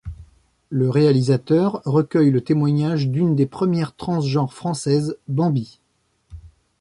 Le réalisateur recueille le témoignage d'une des premières transgenres française, Bambi.